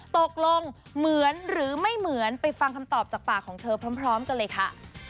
ตกลงเหมือนหรือไม่เหมือนไปฟังคำตอบจากปากของเธอพร้อมกันเลยค่ะ